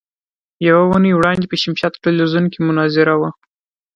يوه اونۍ وړاندې په شمشاد ټلوېزيون کې مناظره وه.